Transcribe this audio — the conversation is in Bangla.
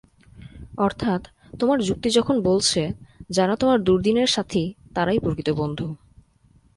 অর্থাৎ, তোমার যুক্তি যখন বলছে, যারা তোমার দুর্দিনের সাথি, তারাই প্রকৃত বন্ধু।